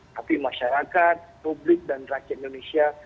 tapi masyarakat publik dan rakyat indonesia